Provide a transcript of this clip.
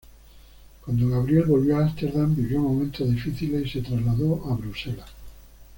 Cuando Gabriel volvió a Ámsterdam vivió momentos difíciles y se trasladó a Bruselas.